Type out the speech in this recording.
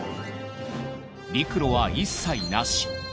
陸路は一切なし。